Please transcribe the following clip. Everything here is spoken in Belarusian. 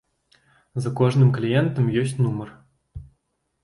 За кожным кліентам ёсць нумар.